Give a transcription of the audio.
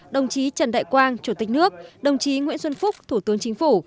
đồng chí trần đại quang chủ tịch nước đồng chí nguyễn xuân phúc thủ tướng chính phủ